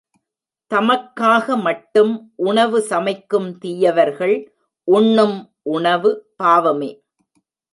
தமக்காக மட்டும் உணவு சமைக்கும் தீயவர்கள் உண்ணும் உணவு பாவமே.